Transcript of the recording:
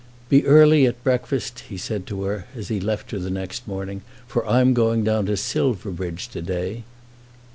"Be early at breakfast," he said to her as he left her the next morning, "for I'm going down to Silverbridge to day."